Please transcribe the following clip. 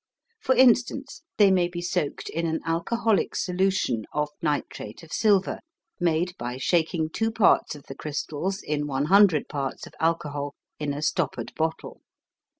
For instance, they may be soaked in an alcoholic solution of nitrate of silver, made by shaking 2 parts of the crystals in 100 parts of alcohol in a stoppered bottle.